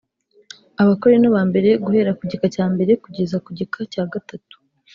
Abakorinto bambere guhera kugika cya mbere kugeza ku gika cyagatatu